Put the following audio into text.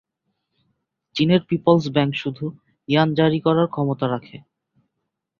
চীনের People's bank শুধু yuan জারি করার ক্ষমতা রাখে।